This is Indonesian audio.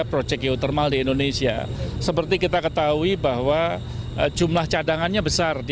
proyek geotermal di indonesia seperti kita ketahui bahwa jumlah cadangannya besar di